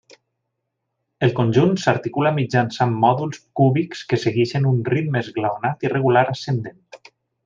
El conjunt s'articula mitjançant mòduls cúbics que segueixen un ritme esglaonat irregular ascendent.